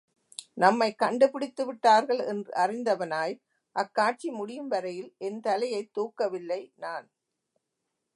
நம்மைக் கண்டுபிடித்துவிட்டார்கள் என்று அறிந்தவனாய் அக்காட்சி முடியும் வரையில் என் தலையைத் தூக்கவில்லை நான்!